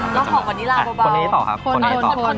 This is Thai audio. คอร์มกว่านิราบเบา